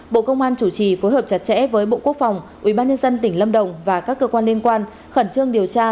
bộ công an chủ trì phối hợp chặt chẽ với bộ quốc phòng ubnd tỉnh lâm đồng và các cơ quan liên quan khẩn trương điều tra